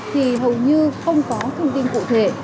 thì hầu như không có thông tin cụ thể